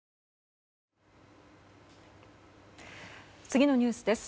次のニュースです。